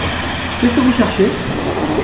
Qu’est-ce que vous cherchez ?